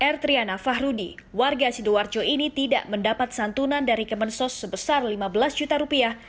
r triana fahrudi warga sidoarjo ini tidak mendapat santunan dari kemensos sebesar lima belas juta rupiah